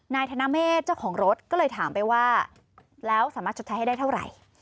ธนเมฆเจ้าของรถก็เลยถามไปว่าแล้วสามารถชดใช้ให้ได้เท่าไหร่